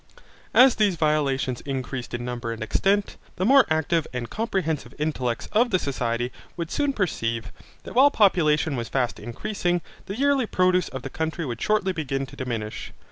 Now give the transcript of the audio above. As these violations increased in number and extent, the more active and comprehensive intellects of the society would soon perceive, that while population was fast increasing, the yearly produce of the country would shortly begin to diminish.